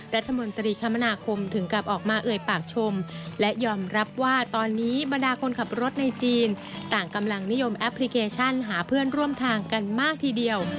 รัฐมนตรีคมนาคมถึงกลับออกมาเอ่ยปากชมและยอมรับว่าตอนนี้บรรดาคนขับรถในจีนต่างกำลังนิยมแอปพลิเคชันหาเพื่อนร่วมทางกันมากทีเดียว